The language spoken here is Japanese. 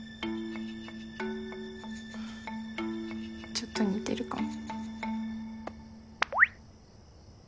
ちょっと似てるかも。